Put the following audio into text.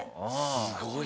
すごい。